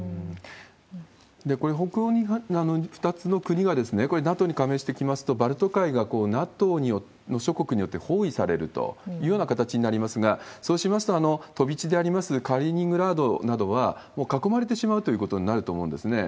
これ、北欧の２つの国は、これはＮＡＴＯに加盟してきますと、バルト海がＮＡＴＯ諸国によって包囲されるというような形になりますが、そうしますと、飛び地でありますカリーニングラードなどは、もう囲まれてしまうということになると思うんですね。